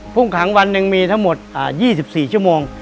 พุ่งขังวันหนึ่งมีทั้งหมด๒๔ชั่วโมง